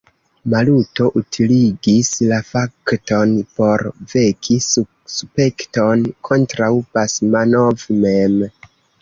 Maluto utiligis la fakton por veki suspekton kontraŭ Basmanov mem.